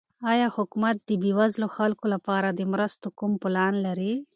آیا حکومت د بېوزلو خلکو لپاره د مرستو کوم پلان لري؟